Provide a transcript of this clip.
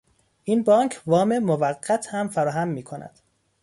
این بانک وام موقت هم فراهم میکند.